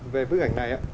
về bức ảnh này